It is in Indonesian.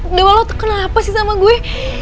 udah walau kenapa sih sama gue